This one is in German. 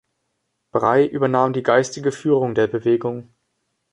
Bray übernahm die geistige Führung der Bewegung.